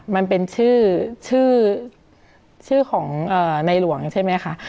มันเป็นชื่อชื่อของในหลวงใช่ไหมคะ